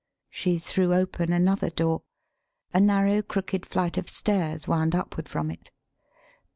She threw open another door. A narrow crook ed flight of stairs wound upward from it.